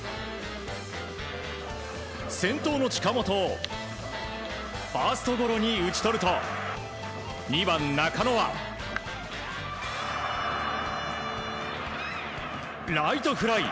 先頭の近本をファーストゴロに打ち取ると２番、中野はライトフライ。